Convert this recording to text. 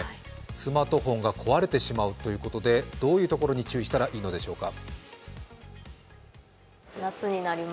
スマートフォンが壊れてしまうということで、どういうところに注意したらいいのでしょうか。